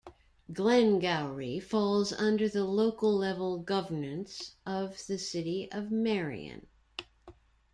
Glengowrie falls under the local-level governance of the City of Marion.